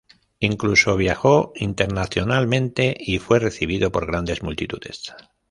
Incluso viajó internacionalmente y fue recibido por grandes multitudes.